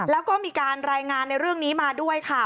แล้วก็มีการรายงานในเรื่องนี้มาด้วยค่ะ